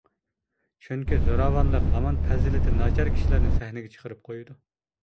چۈنكى زوراۋانلىق ھامان پەزىلىتى ناچار كىشىلەرنى سەھنىگە چىقىرىپ قويىدۇ.